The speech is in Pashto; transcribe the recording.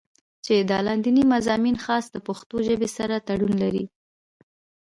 چې دا لانديني مضامين خاص د پښتو ژبې سره تړون لري